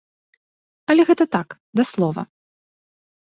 Але гэта так, да слова.